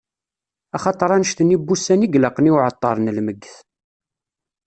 Axaṭer annect-nni n wussan i yelaqen i uɛeṭṭer n lmegget.